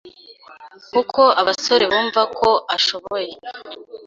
kuko abasore bumvako ashoboye